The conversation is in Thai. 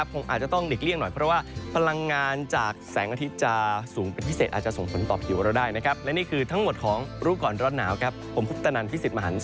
โปรดติดตามตอนต่อไป